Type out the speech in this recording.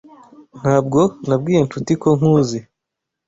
Ntabwo nabwiye Nshuti ko nkuzi.